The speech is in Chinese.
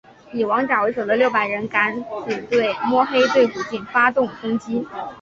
以王甲为首的六百人敢死队摸黑对古晋发动攻击。